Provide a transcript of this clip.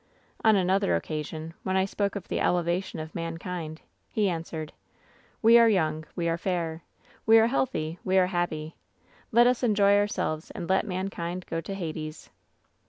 "On another occasion, when I spoke of the elevation of mankind, he answered :" ^We are yoimg. We are fair. We are healthy. We are happy. Let us enjoy ourselves, and let mankind go to Hades.